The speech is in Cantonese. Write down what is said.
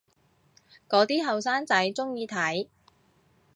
嗰啲後生仔鍾意睇